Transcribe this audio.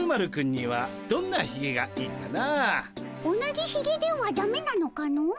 同じひげではダメなのかの？